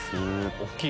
大っきい。